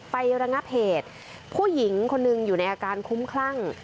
ระงับเหตุผู้หญิงคนหนึ่งอยู่ในอาการคุ้มคลั่ง